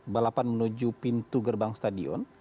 balapan menuju pintu gerbang stadion